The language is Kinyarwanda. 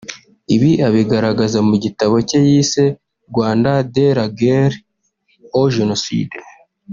Ibi abigaragaza mu gitabo cye yise « Rwanda de la guerre au génocide